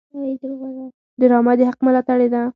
ډرامه د حق ملاتړې ده